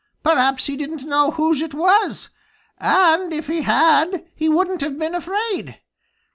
Perhaps he didn't know whose it was, and if he had he wouldn't have been afraid.